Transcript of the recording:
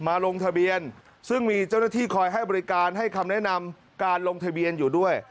ลงทะเบียนซึ่งมีเจ้าหน้าที่คอยให้บริการให้คำแนะนำการลงทะเบียนอยู่ด้วย